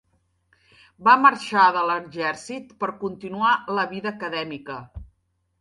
Va marxar de l'exèrcit per continuar la vida acadèmica.